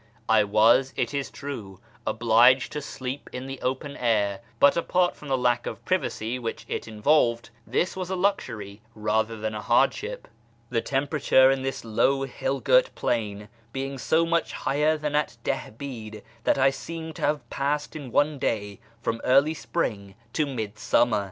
I was, it is true, obliged to sleep in the open air ; but, apart from the lack of privacy which it involved, this was a luxury rather than a hardship, the temperature in this low hill girt plain being so much higher than at Dihbi'd that I seemed to have passed in one day from early spring to midsummer.